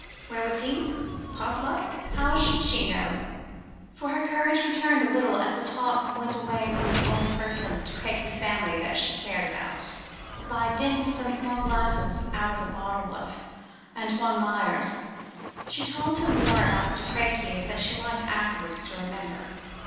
Where was he? Parbleu! how should she know?—for her courage returned a little as the talk went away from the only person of the De Crequy family that she cared about. But, by dint of some small glasses out of a bottle of Antoine Meyer's, she told him more about the De Crequys than she liked afterwards to remember.